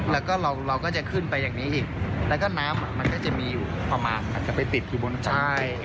แล้วก็เราก็จะขึ้นไปอย่างนี้อีกแล้วก็น้ำมันก็จะมีพอมากจะไปติดอยู่บนใช่